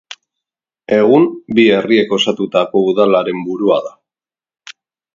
Egun, bi herriek osatutako udalaren burua da.